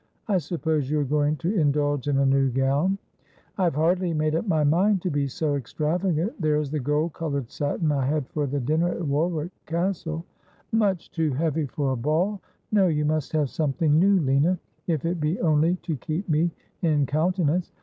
' I suppose you are going to indulge in a new gown.' ' I have hardly made up my mind to be so extravagant. There is the gold coloured satin I had for the dinner at War wick Castle.' ' Much too heavy for a ball. No, you must have something new, Lina, if it be only to keep me in countenance.